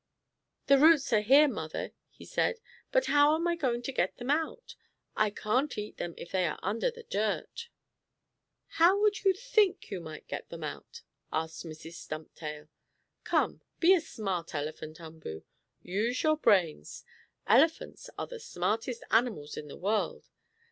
"The roots are here, mother," he said. "But how am I going to get them out? I can't eat them if they are under the dirt!" "How would you think you might get them out?" asked Mrs. Stumptail. "Come, be a smart elephant, Umboo. Use your brains. Elephants are the smartest animals in the world.